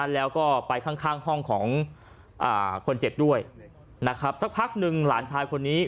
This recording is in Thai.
แล้วก็ไปข้างห้องของคนเจ็บด้วยนะครับสักพักหนึ่งหลานชายคนนี้